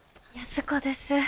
安子です。